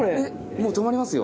もう止まりますよ。